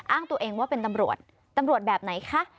อ้างตัวเองว่าเป็นตำรวจตำรวจแบบไหนคะ